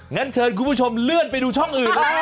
งั้นเชิญคุณผู้ชมเลื่อนไปดูช่องอื่นแล้ว